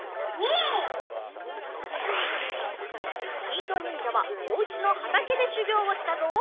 きいとにんじゃはおうちのはたけでしゅぎょうをしたぞ。